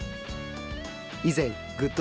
以前、グッと！